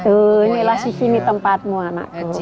inilah sisimi tempatmu anakku